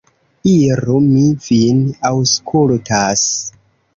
Iru; mi vin aŭskultas.